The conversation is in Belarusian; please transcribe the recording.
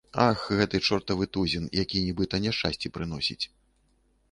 Ах, гэты чортавы тузін, які нібыта няшчасці прыносіць.